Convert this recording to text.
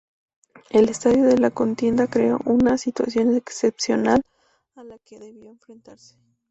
El estallido de la contienda creó una situación excepcional a la que debió enfrentarse.